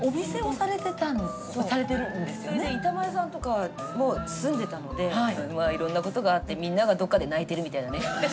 それで板前さんとかも住んでたのでいろんなことがあってみんながどっかで泣いてるみたいなね。